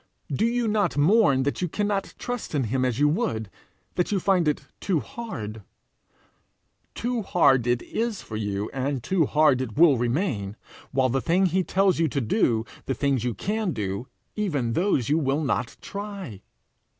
Do you not mourn that you cannot trust in him as you would, that you find it too hard? Too hard it is for you, and too hard it will remain, while the things he tells you to do the things you can do even those you will not try!